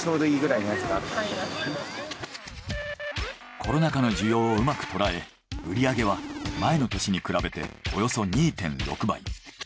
コロナ禍の需要をうまく捉え売り上げは前の年に比べておよそ２．６倍。